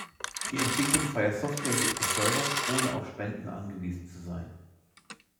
Die Entwicklung freier Software wird gefördert, ohne auf Spenden angewiesen zu sein.